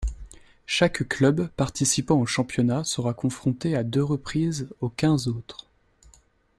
Chaque club participant au championnat sera confronté à deux reprises aux quinze autres.